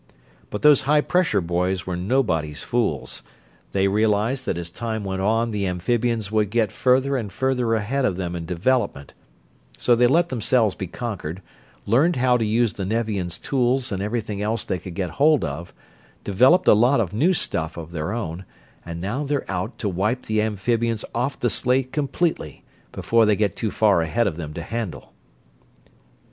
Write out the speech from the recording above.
But those high pressure boys were nobody's fools. They realized that as time went on the amphibians would get further and further ahead of them in development, so they let themselves be conquered, learned how to use the Nevians' tools and everything else they could get hold of, developed a lot of new stuff of their own, and now they're out to wipe the amphibians off the slate completely, before they get too far ahead of them to handle."